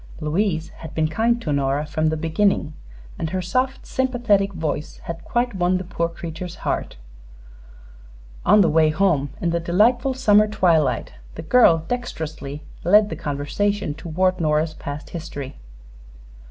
Louise had been kind to Nora from the beginning, and her soft, sympathetic voice had quite won the poor creature's heart. On the way home, in the delightful summer twilight, the girl dexterously led the conversation toward Nora's past history.